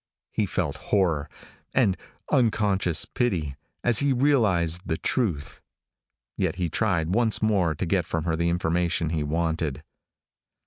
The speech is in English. He felt horror and unconscious pity as he realized the truth. Yet he tried once more to get from her the information he wanted.